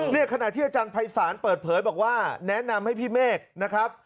ขณะที่อาจารย์ภัยศาลเปิดเผยบอกว่าแนะนำให้พี่เมฆนะครับ